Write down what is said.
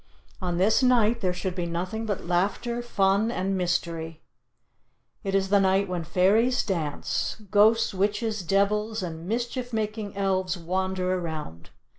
On this night there should be nothing but laughter, fun and mystery. It is the night when Fairies dance, Ghosts, Witches, Devils and mischief making Elves wander around.